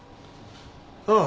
ああ。